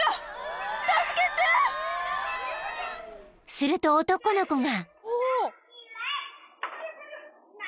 ［すると男の子が］